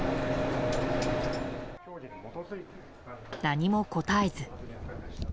何も答えず。